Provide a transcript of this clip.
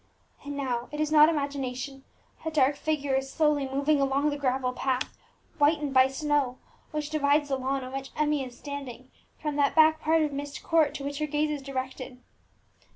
And now it is not imagination a dark figure is slowly moving along the gravel path, whitened by snow, which divides the lawn on which Emmie is standing from that back part of Myst Court to which her gaze is directed!